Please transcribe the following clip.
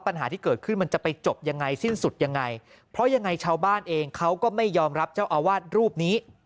ปัญหาที่เกิดขึ้นมันจะไปจบยังไงสิ้นสุดยังไงเพราะยังไงชาวบ้านเองเขาก็ไม่ยอมรับเจ้าอาวาสรูปนี้